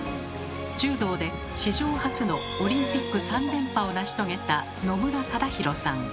柔道で史上初のオリンピック３連覇を成し遂げた野村忠宏さん。